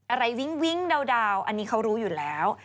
วิ้งวิ้งดาวอันนี้เขารู้อยู่แล้ว